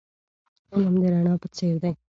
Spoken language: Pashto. علم د رڼا په څېر دی.